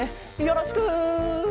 よろしく。